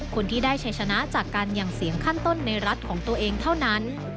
คนที่ได้ชัยชนะจากการหยั่งเสียงขั้นต้นในรัฐของตัวเองเท่านั้น